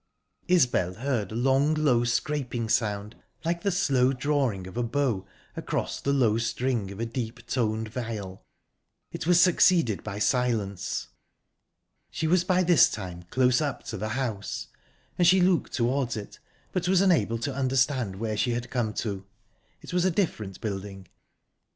Isbel heard a long, low, scraping sound, like the slow drawing of a bow across the low string of a deep toned viol. It was succeeded by silence. She was by this time close up to the house, and she looked towards it, but was unable to understand where she had come to. It was a different building.